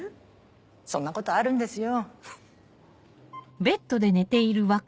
そんなことあるんですよ。